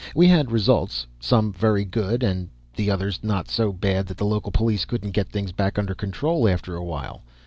We had results, some very good, and the others not so bad that the local police couldn't get things back under control after a while.